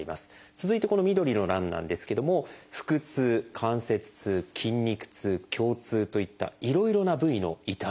続いてこの緑の欄なんですけども腹痛関節痛筋肉痛胸痛といったいろいろな部位の痛み。